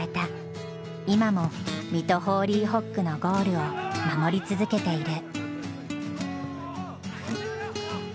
今も水戸ホーリーホックのゴールを守り続けている。